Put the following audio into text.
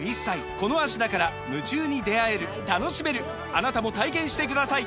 あなたも体験してください！